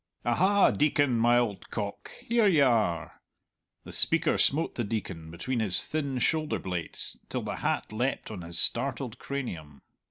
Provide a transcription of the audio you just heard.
"Aha, Deacon, my old cock, here you are!" The speaker smote the Deacon between his thin shoulder blades till the hat leapt on his startled cranium.